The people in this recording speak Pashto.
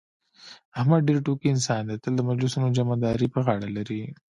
احمد ډېر ټوکي انسان دی، تل د مجلسونو جمعه داري په غاړه لري.